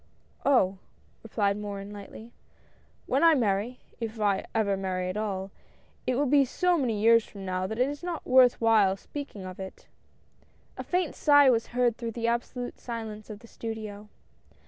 " Oh !" replied Morin, lightly, " when I marry, if I ever marry at all, it will be so many years from now, that it is not worth while speaking of it." A faint sjgh was heard through the absolute silence of the studio.